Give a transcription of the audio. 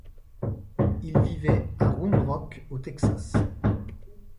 Il vivait à Round Rock au Texas.